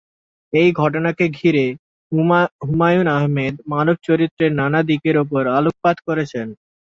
এই ঘটনাকে ঘিরে হুমায়ূন আহমেদ মানব চরিত্রের নানা দিকের ওপর আলোকপাত করেছেন।